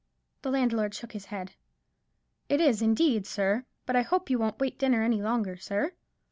The landlord shook his head. "It is, indeed, sir; but I hope you won't wait dinner any longer, sir?"